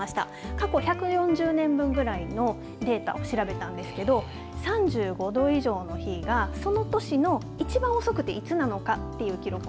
過去１４０年分ぐらいのデータを調べたんですけれども３５度以上の日が、その年の一番遅くていつなのかという記録。